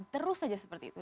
terus aja seperti itu